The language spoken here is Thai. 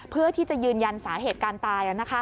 เพื่อที่จะยืนยันสาเหตุการตาย